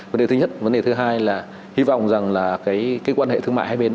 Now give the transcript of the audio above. vấn đề thứ nhất vấn đề thứ hai là hy vọng rằng là cái quan hệ thương mại hai bên